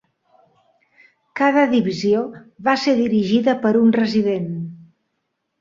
Cada divisió va ser dirigida per un resident.